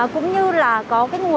cũng như là có cái nguồn xăng dầu dự trữ